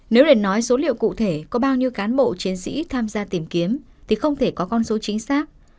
nếu để nói số liệu cụ thể có bao nhiêu cán bộ chiến sĩ tham gia tìm kiếm thì không thể có con số chính xác